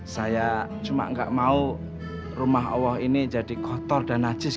saya cuma nggak mau rumah allah ini jadi kotor dan najis